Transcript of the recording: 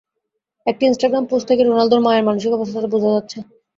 একটি Instagram post থেকেই রোনালদোর মায়ের মানসিক অবস্থাটা বোঝা যাচ্ছে।